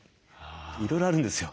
いろいろあるんですよ。